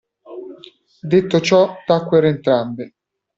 Detto ciò tacquero entrambe.